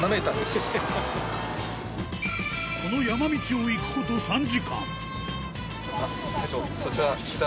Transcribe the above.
この山道を行くこと３時間